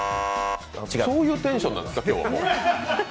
そういうテンションなんですか、今日？